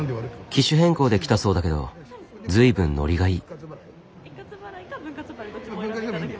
機種変更で来たそうだけど随分ノリがいい。